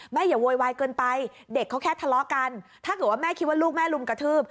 อย่าโวยวายเกินไปเด็กเขาแค่ทะเลาะกันถ้าเกิดว่าแม่คิดว่าลูกแม่ลุมกระทืบ